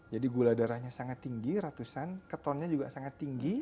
jadi gula darahnya sangat tinggi ratusan ketonnya juga sangat tinggi